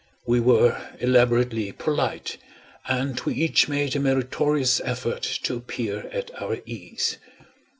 We were elaborately polite, and we each made a meritorious effort to appear at our ease.